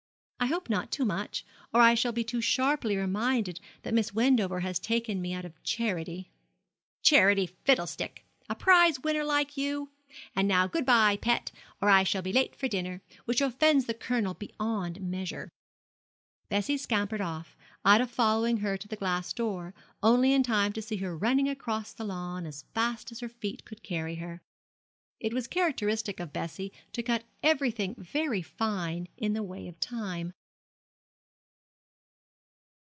'I hope not too much, or I shall be too sharply reminded that Miss Wendover has taken me out of charity.' 'Charity fiddlestick! A prize winner like you! And now good bye, pet, or I shall be late for dinner, which offends the Colonel beyond measure.' Bessie scampered off, Ida following her to the glass door, only in time to see her running across the lawn as fast as her feet could carry her. It was characteristic of Bessie to cut everything very fine in the way of time.